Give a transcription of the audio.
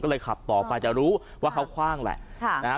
ก็เลยขับต่อไปจะรู้ว่าเขาคว่างแหละ